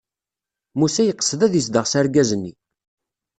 Musa yeqsed ad izdeɣ s argaz-nni.